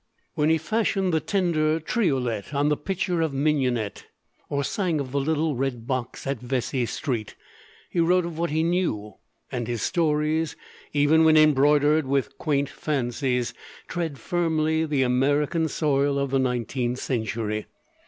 When he fashioned the tender triolet on the pitcher of mignonette, or sang of the little red box at Vesey Street, he wrote of what he knew; and his stories, even when embroidered with quaint fancies, tread firmly the American soil of the nineteenth century.